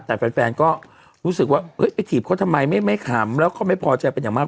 แต่แฟนก็รู้สึกว่าไปถีบเขาทำไมไม่ขำแล้วเขาไม่พอใจเป็นอย่างมาก